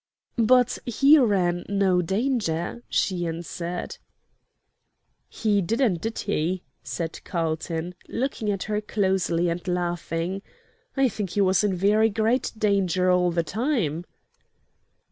"But he ran no danger," she answered. "He didn't, didn't he?" said Carlton, looking at her closely and laughing. "I think he was in very great danger all the time."